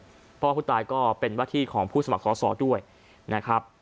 เพราะว่าผู้ตายก็เป็นว่าที่ของผู้สมัครสอสอด้วยนะครับ